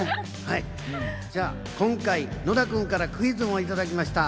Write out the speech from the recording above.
今回、野田君からクイズもいただきました。